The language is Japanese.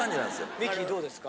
ミキどうですか？